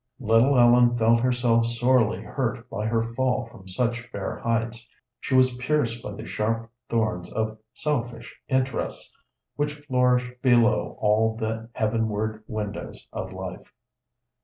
Little Ellen felt herself sorely hurt by her fall from such fair heights; she was pierced by the sharp thorns of selfish interests which flourish below all the heavenward windows of life.